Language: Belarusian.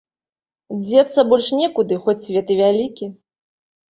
Дзецца больш некуды, хоць свет і вялікі.